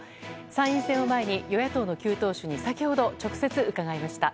参院選を前に、与野党の９党首に先ほど直接伺いました。